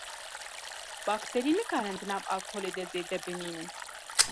Bakterî nikarin di nav alkolê de zêde bimînin.